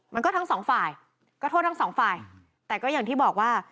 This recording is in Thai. ทั้งสองฝ่ายก็โทษทั้งสองฝ่ายแต่ก็อย่างที่บอกว่า